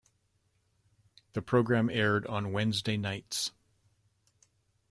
The programme aired on Wednesday nights.